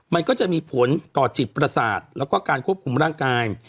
มันก็จะมีผลต่อจิตประสาทแล้วก็การควบคุมร่างกาย